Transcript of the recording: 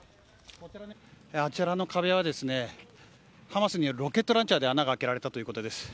あちらの壁は、ハマスによるロケットランチャーで穴が開けられたということです。